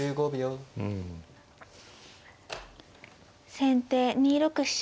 先手２六飛車。